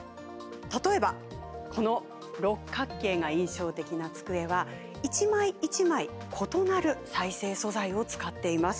例えばこの六角形が印象的な机は一枚一枚異なる再生素材を使っています。